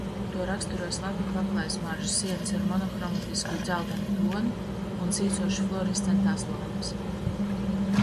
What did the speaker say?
To raksturo slapja paklāja smarža, sienas ar monohromatisku dzeltenu toni un sīcošas fluorescentās lampas.